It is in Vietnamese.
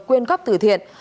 quyên góp từ thiện